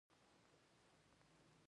ځکه که نسبي ګټه هم ولري، دا بهتري ده.